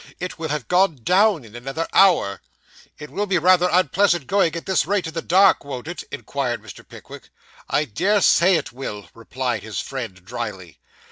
It will have gone down in another hour.' 'It will be rather unpleasant going at this rate in the dark, won't it?' inquired Mr. Pickwick. 'I dare say it will,' replied his friend dryly.